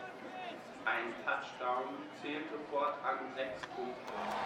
Ein "Touchdown" zählte fortan sechs Punkte.